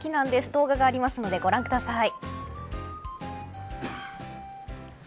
動画がありますのでご覧ください。